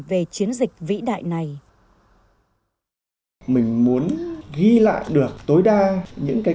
về chiến dịch vĩ đại này